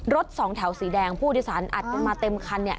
สองแถวสีแดงผู้โดยสารอัดกันมาเต็มคันเนี่ย